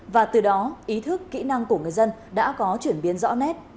và từ đó ý thức kỹ năng của người dân đã có chuyển biến rõ nét